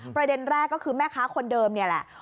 ประเด็นแรกก็คือแม่ค้าคนเดิมนี่แหละ